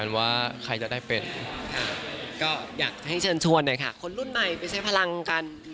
อยากให้เชิญชวนนะคะคนรุ่นใหม่ไปใช้พลังกัน